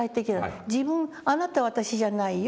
自分「あなたは私じゃないよ